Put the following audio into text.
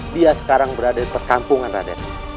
dia sekarang berada di perkampungan raden